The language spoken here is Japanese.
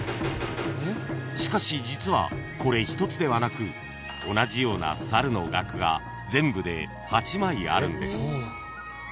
［しかし実はこれ一つではなく同じような猿の額が全部で８枚あるんです］